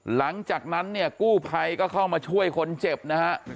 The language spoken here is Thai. หลังจากนั้นเนี่ยกู้ภัยก็เข้ามาช่วยคนเจ็บนะฮะ